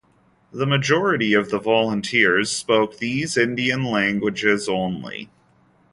The majority of the volunteers spoke these Indian languages only.